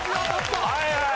はいはい。